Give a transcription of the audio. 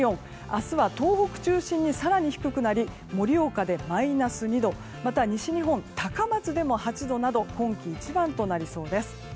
明日は東北中心に更に低くなり盛岡でマイナス２度また、西日本の高松でも８度など今季一番となりそうです。